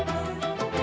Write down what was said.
nih aku tidur